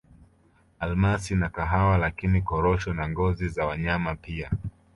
Almasi na kahawa lakini Korosho na ngozi za wanyama pia